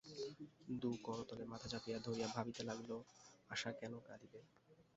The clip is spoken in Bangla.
দুই করতলে মাথা চাপিয়া ধরিয়া ভাবিতে লাগিল, আশা কেন কাঁদিবে।